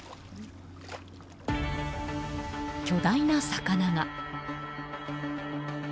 巨大な魚が。